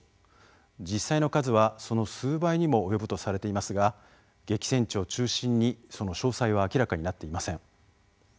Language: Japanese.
実際の数はその数倍にも及ぶとされていますが激戦地を中心にその詳細は明らかになっていません。